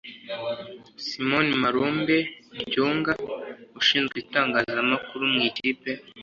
Simon Malombe Lyonga (Ushinzwe itangazamakuru mu ikipe)